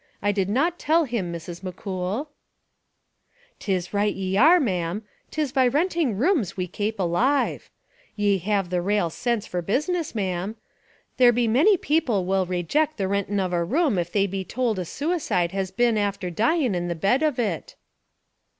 I did not tell him, Mrs. McCool." " 'Tis right ye are, ma'am; 'tis by renting rooms we kape alive. Ye have the rale sense for business, ma'am. There be many people will rayjict the rentin' of a room if they be tould a suicide has been after dyin' in the bed of it."